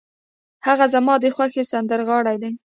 هغه زما د خوښې سندرغاړی دی.